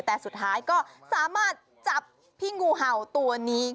แต่สุดท้ายก็สามารถจับพี่งูเห่าตัวนี้